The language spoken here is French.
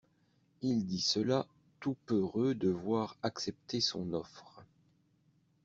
Il dit cela tout peureux de voir acceptée son offre.